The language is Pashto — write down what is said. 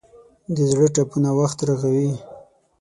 د زړه ټپونه وخت رغوي.